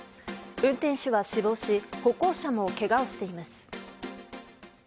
運転手は死亡し歩行者もけがをしています。